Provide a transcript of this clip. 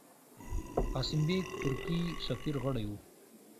قاسم بېګ، ترکی سفیر، غړی وو.